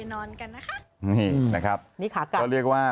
นิ้วที่คาล่างนะคะ